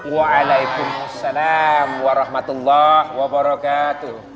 waalaikumsalam warahmatullahi wabarakatuh